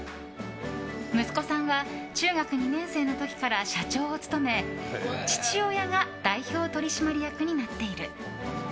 息子さんは中学２年生の時から社長を務め父親が代表取締役になっている。